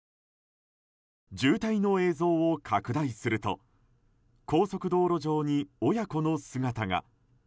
渋滞の映像を拡大すると高速道路上に親子の姿が。